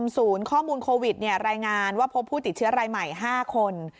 ศูนย์ข้อมูลโควิดรายงานว่าพบผู้ติดเชื้อรายใหม่๕คน